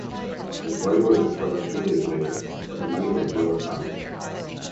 His body was discovered three days later, but the money was never found.